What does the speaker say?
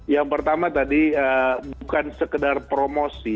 yang pertama tadi bukan sekedar promosi